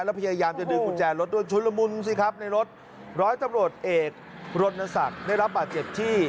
แล้วพยายามจะดึงกุญแจรถด้วยชุนละมุนสิครับในรถร้อยตำรวจเอกรณศักดิ์ได้รับบาดเจ็บที่